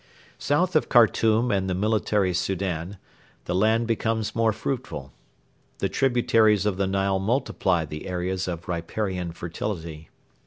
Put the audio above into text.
South of Khartoum and of 'The Military Soudan' the land becomes more fruitful. The tributaries of the Nile multiply the areas of riparian fertility.